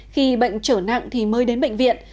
khi bệnh trở nặng thì mới đến bệnh viện